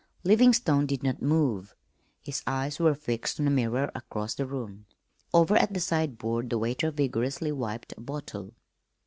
Livingstone did not move. His eyes were fixed on a mirror across the room. Over at the sideboard the waiter vigorously wiped a bottle.